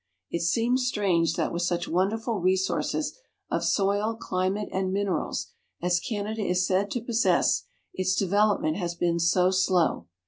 It seems strange that with such wonderful resources of soil, climate, and minerals as Canada is said to possess, its development has been so slow.